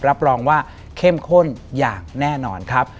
รับรองว่าเข้มข้นอย่างแน่นอนครับ